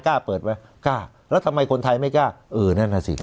กล้าเปิดไหมกล้าแล้วทำไมคนไทยไม่กล้าเออนั่นน่ะสิ